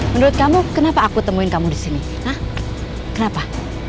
menurut kamu kenapa aku temuin kamu di sini nah kenapa